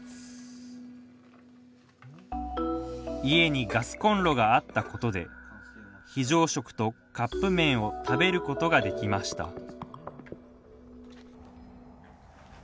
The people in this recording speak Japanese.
家にガスコンロがあったことで非常食とカップ麺を食べることができました